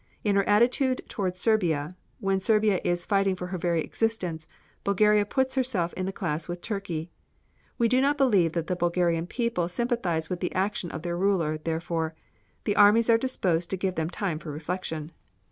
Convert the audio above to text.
In her attitude towards Serbia, when Serbia is fighting for her very existence, Bulgaria puts herself in the class with Turkey. We do not believe that the Bulgarian people sympathize with the action of their ruler therefore, the Allies are disposed to give them time for reflection.